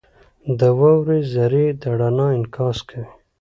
• د واورې ذرې د رڼا انعکاس کوي.